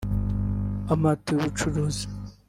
Amato y'ubucuruzi